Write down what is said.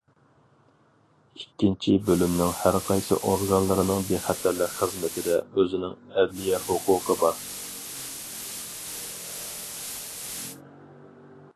ئىككىنچى بۆلۈمنىڭ ھەر قايسى ئورگانلىرىنىڭ بىخەتەرلىك خىزمىتىدە ئۆزىنىڭ ئەدلىيە ھوقۇقى بار.